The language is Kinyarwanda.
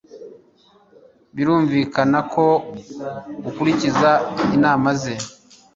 Birumvikana ko ukurikiza inama ze